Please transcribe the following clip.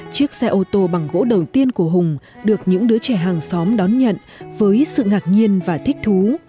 chiếc xe ô tô bằng gỗ đầu tiên của hùng được những đứa trẻ hàng xóm đón nhận với sự ngạc nhiên và thích thú